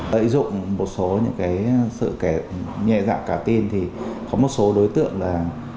dạy dụng một số những cái sự kẻ nhẹ dạng cả tin thì có một số đối tượng là